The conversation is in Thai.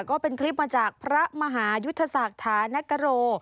ก็เป็นคลิปมาจากพระมหายุทธศักดิ์ฐานกโร